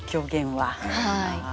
はい。